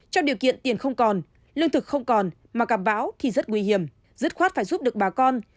trong điều kiện tiền không còn lương thực không còn mà gặp bão thì rất nguy hiểm dứt khoát phải giúp được bà con